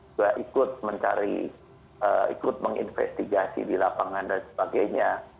juga ikut mencari ikut menginvestigasi di lapangan dan sebagainya